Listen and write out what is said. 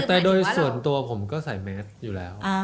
แต่โดยส่วนตัวผมก็ใส่แมสอยู่แล้ว